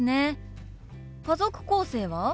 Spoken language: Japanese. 家族構成は？